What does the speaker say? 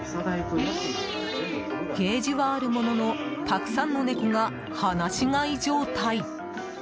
ケージはあるもののたくさんの猫が放し飼い状態。